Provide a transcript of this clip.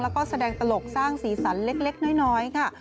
แล้วก็แสดงตลกสร้างสีสันเล็กน้อยค่ะ